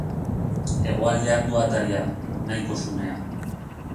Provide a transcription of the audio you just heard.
Hegoaldean du ataria, nahiko xumea.